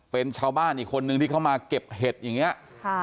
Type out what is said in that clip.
เป็นชาวบ้านอีกคนนึงที่เข้ามาเก็บเห็ดอย่างนี้